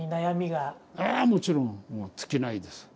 あもちろんもう尽きないです。